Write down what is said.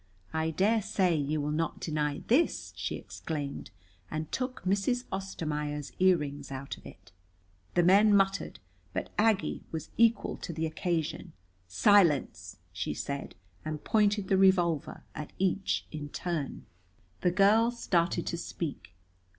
"I dare say you will not deny this," she exclaimed, and took Mrs. Ostermaier's earrings out of it. The men muttered, but Aggie was equal to the occasion. "Silence!" she said, and pointed the revolver at each in turn. The girl started to speak.